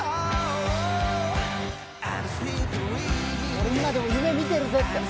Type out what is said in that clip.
俺今でも夢見てるぜって。